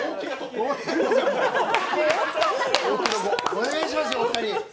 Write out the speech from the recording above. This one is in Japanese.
お願いしますよ、お二人。